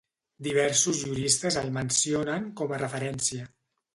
Diversos juristes el mencionen com a referència.